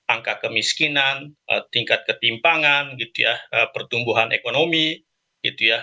angka kemiskinan tingkat ketimpangan gitu ya pertumbuhan ekonomi gitu ya